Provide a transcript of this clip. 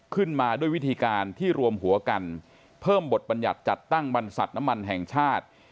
ขึ้นมาด้วยวิธีการที่รวมหัวกันเพิ่มบทบัญญัติจัดตั้งบรรษัทน้ำมันแห่งชาติ